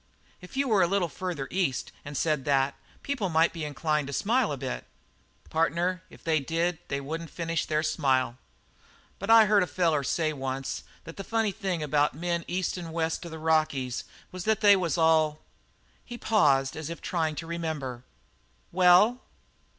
"If you were a little further East and said that, people might be inclined to smile a bit." "Partner, if they did, they wouldn't finish their smile. But I heard a feller say once that the funny thing about men east and west of the Rockies was that they was all " He paused as if trying to remember. "Well?"